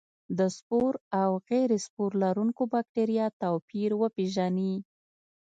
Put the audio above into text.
د سپور او غیر سپور لرونکو بکټریا توپیر وپیژني.